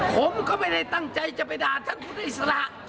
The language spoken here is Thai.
ผมก็ไม่ได้ตั้งใจจะไปด่าท่านผู้อิสระ